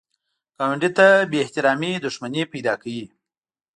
ګاونډي ته بې احترامي دښمني پیدا کوي